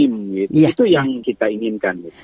itu yang kita inginkan